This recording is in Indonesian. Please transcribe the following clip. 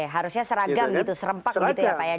harusnya seragam gitu serempak begitu ya pak ya